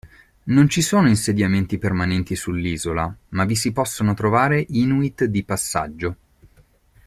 Non ci sono insediamenti permanenti sull'isola, ma vi si possono trovare Inuit di passaggio.